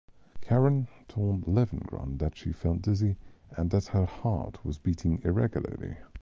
Karen told Levenkron that she felt dizzy and that her heart was beating irregularly.